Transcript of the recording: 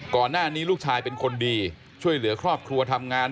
ก่อนหน้านี้ลูกชายเป็นคนดีช่วยเหลือครอบครัวทำงาน